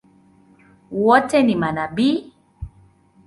Wote ni manabii?